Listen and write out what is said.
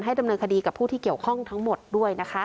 ดำเนินคดีกับผู้ที่เกี่ยวข้องทั้งหมดด้วยนะคะ